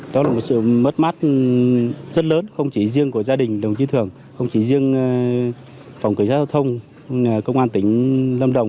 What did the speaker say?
đó là một sự mất mát rất lớn không chỉ riêng của gia đình đồng chí thường không chỉ riêng phòng cảnh sát giao thông công an tỉnh lâm đồng